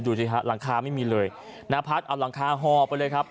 ดูแล้วซักทุ่มคือหลังคาไม่มีเลยนันพัดเอาหลังคาร้องห่อไปเลยครับ